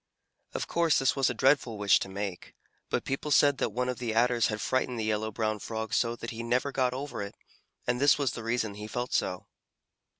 Of course this was a dreadful wish to make, but people said that one of the Adders had frightened the Yellow Brown Frog so that he never got over it, and this was the reason he felt so.